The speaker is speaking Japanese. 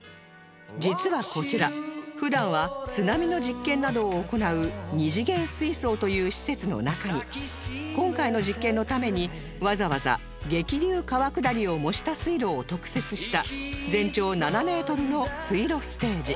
実はこちら普段は津波の実験などを行う二次元水槽という施設の中に今回の実験のためにわざわざ激流川下りを模した水路を特設した全長７メートルの水路ステージ